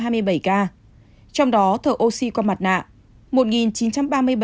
trong đó thở oxy qua mặt nạ hai một trăm linh năm chín trăm một mươi ba ca